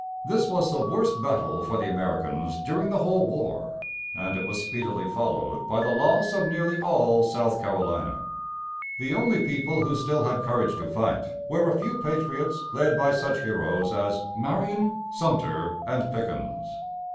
This was the worst battle for the Americans during the whole war, and it was speedily followed by the loss of nearly all South Carolina. The only people who still had courage to fight were a few patriots led by such heroes as Mār´i on, Sumter, and Pickens.